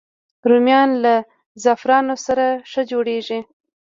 رومیان له زعفرانو سره ښه جوړېږي